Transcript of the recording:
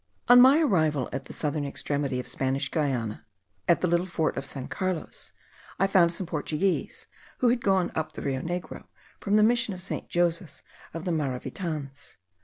On my arrival at the southern extremity of Spanish Guiana, at the little fort of San Carlos, I found some Portuguese, who had gone up the Rio Negro from the Mission of St. Joseph of the Maravitans.